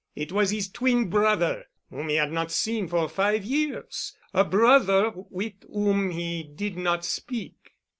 It was his twin brother, whom he had not seen for five years, a brother with whom he did not speak."